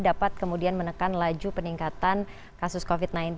dapat kemudian menekan laju peningkatan kasus covid sembilan belas